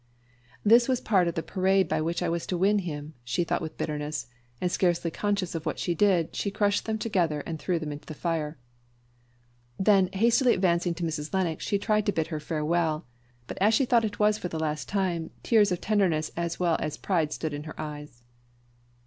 "This was part of the parade by which I was to win him," thought she with bitterness; and scarcely conscious of what she did, she crushed them together, and threw them into the fire. Then hastily advancing to Mrs. Lennox, she tried to bid her farewell; but as she thought it was for the last time, tears of tenderness as well as pride stood in her eyes.